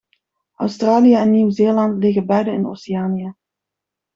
Australië en Nieuw Zeeland liggen beide in Oceanië.